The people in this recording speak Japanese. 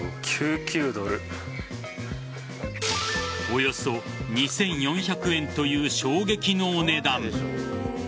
およそ２４００円という衝撃のお値段。